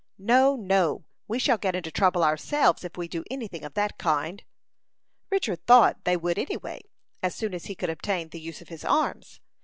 "No, no; we shall get into trouble ourselves if we do any thing of that kind." Richard thought they would any way, as soon as he could obtain the use of his arms.